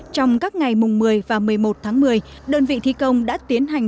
trong các ngày mùng một mươi và một mươi một tháng một mươi đơn vị thi công đã tiến hành